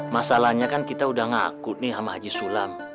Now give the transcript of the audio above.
masalahnya kan kita udah ngaku nih sama haji sulam